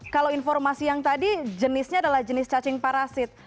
kalau informasi yang tadi jenisnya adalah jenis cacing parasit